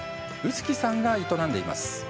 臼杵さんが営んでいます。